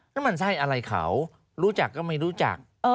แล้วมันไส้อะไรเขารู้จักก็ไม่รู้จัก